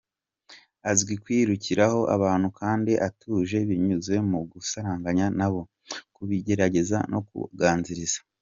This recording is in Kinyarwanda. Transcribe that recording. Azi kwikururiraho abantu kandi atuje binyuze mu gusaranganya nabo, kubiyegereza no kubaganiriza.